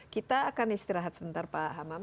kita akan istirahat sebentar pak hamam